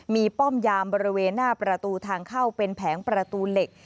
มีป้อมยามบริเวณหน้าประตูทางเข้าเป็นแผงประตูเหล็ก